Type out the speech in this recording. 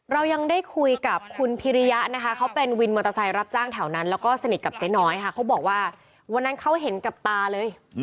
เรายังได้คุยกับคุณพิริยะนะคะเขาเป็นวินมอเตอร์ไซค์รับจ้างแถวนั้นแล้วก็สนิทกับเจ๊น้อยค่ะเขาบอกว่าวันนั้นเขาเห็นกับตาเลย